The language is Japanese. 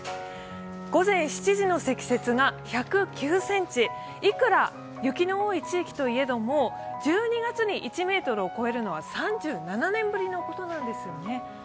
午前７時の積雪が１０９ｃｍ、いくら雪の多い地域といえども１２月に１ｍを超えるのは３７年ぶりのことなんですね。